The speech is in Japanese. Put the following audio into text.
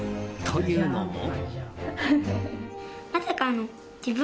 というのも。